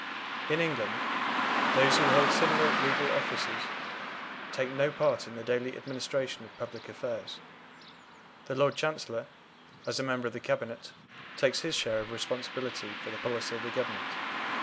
In England, those who hold similar legal offices take no part in the daily administration of public affairs. The Lord Chancellor, as a member of the Cabinet, takes his share in responsibility for the policy of the Government.